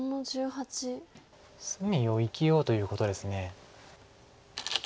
隅を生きようということです。